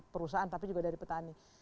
perusahaan tapi juga dari petani